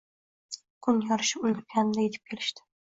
Kun yorishib ulgurganida etib kelishdi